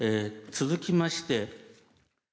続きまして。